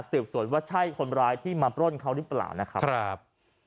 สืบสวนว่าใช่คนร้ายที่มาปล้นเขาหรือเปล่านะครับ